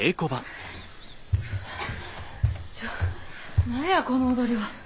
ちょ何やこの踊りは。